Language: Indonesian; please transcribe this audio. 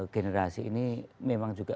generasi ini memang juga